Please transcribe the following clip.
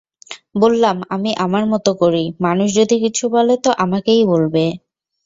বললাম, আমি আমার মতো করি, মানুষ যদি কিছু বলে তো আমাকেই বলবে।